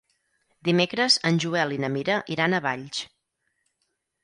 Dimecres en Joel i na Mira iran a Valls.